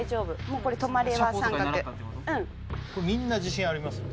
これみんな自信ありますよね？